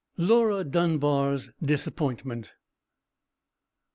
LAURA DUNBAR'S DISAPPOINTMENT.